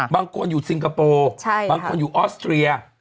บางคนอยู่ซิงคโปร์บางคนอยู่ออสเตรีย